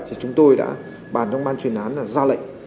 thì chúng tôi đã bàn trong ban truyền án là ra lệnh